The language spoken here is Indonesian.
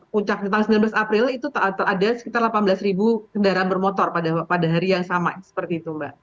puncaknya tanggal sembilan belas april itu ada sekitar delapan belas ribu kendaraan bermotor pada hari yang sama seperti itu mbak